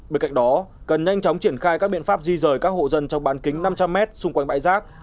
bên cạnh đó cần nhanh chóng triển khai các biện pháp di rời các hộ dân trong bán kính năm trăm linh m xung quanh bãi rác